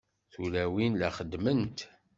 Tulawin la xeddment.